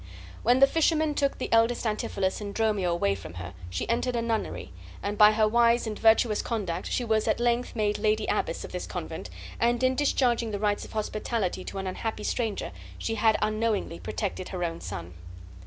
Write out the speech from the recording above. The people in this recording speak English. When the fishermen took the eldest Antipholus and Dromio away from her, she entered a nunnery, and by her wise and virtuous conduct she was at length made lady abbess of this convent and in discharging the rites of hospitality to an unhappy stranger she had unknowingly protected her own son.